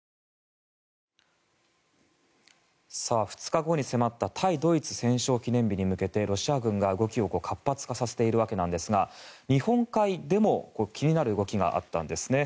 ２日後に迫った対ドイツ戦勝記念日に向けてロシア軍が動きを活発化させているわけなんですが日本海でも気になる動きがあったんですね。